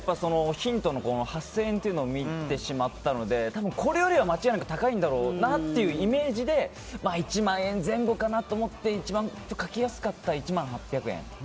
ヒントの８０００円っていうのを見てしまったので多分これよりは高いんだろうなというイメージで１万円前後かなと思って一番書きやすかった１万８００円。